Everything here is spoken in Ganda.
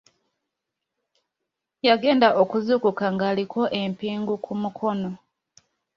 Yagenda okuzuukuka ng'aliko empingu ku mukono.